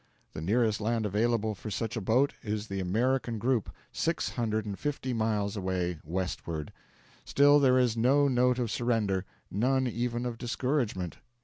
The nearest land available for such a boat is the American group, six hundred and fifty miles away, westward; still, there is no note of surrender, none even of discouragement!